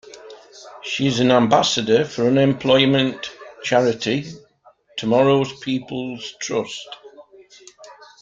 She is an Ambassador for unemployment charity, Tomorrow's People Trust.